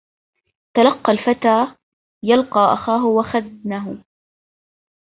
تلقى الفتى يلقى أخاه وخدنه